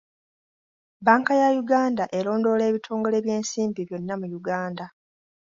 Bbanka ya Uganda erondoola ebitongole by'ensimbi byonna mu Uganda.